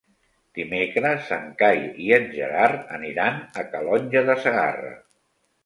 Dimecres en Cai i en Gerard aniran a Calonge de Segarra.